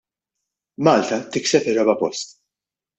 Malta tikseb ir-raba' post.